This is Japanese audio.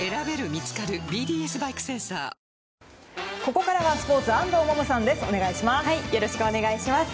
ここからはスポーツ安藤萌々さんです。